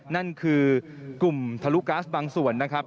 นั่นคือกลุ่มทะลุก๊าซบางส่วนนะครับ